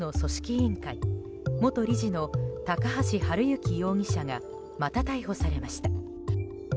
委員会元理事の高橋治之容疑者がまた逮捕されました。